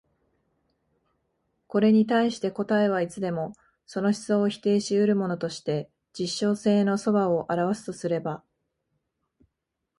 これに対して答えはいつでもその思想を否定し得るものとして実証性の側を現すとすれば、